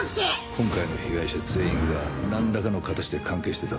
「今回の被害者全員がなんらかの形で関係してた」